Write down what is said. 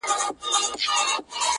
کتاب د سړیتوب دي په معنا ویلی نه دی,